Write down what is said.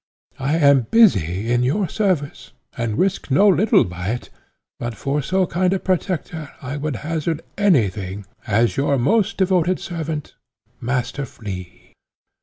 I am busy in your service, and risk no little by it, but for so kind a protector I would hazard any thing, as "Your most devoted servant, "MASTER FLEA."